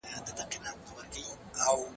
د دغي پلمې په وجه خپله هیله مه ضایع کوه.